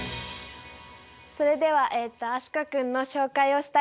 それでは飛鳥君の紹介をしたいと思います。